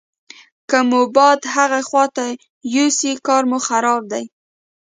که مو باد هغې خواته یوسي کار مو خراب دی.